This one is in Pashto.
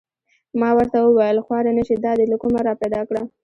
ما ورته و ویل: خوار نه شې دا دې له کومه را پیدا کړه؟